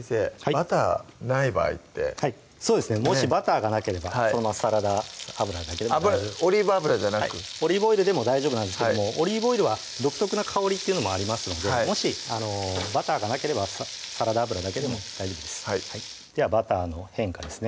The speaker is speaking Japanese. バターない場合ってそうですねもしバターがなければそのままサラダ油だけでもオリーブ油じゃなくオリーブオイルでも大丈夫なんですけどもオリーブオイルは独特な香りっていうのもありますのでもしバターがなければサラダ油だけでも大丈夫ですではバターの変化ですね